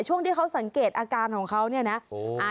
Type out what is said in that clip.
ช่วงที่เขาสังเกตอาการของเขาเนี่ยนะ